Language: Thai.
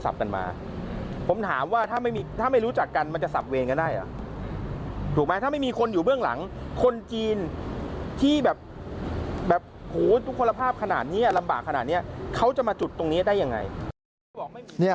บากขนาดนี้เขาจะมาจุดตรงนี้ได้อย่างไร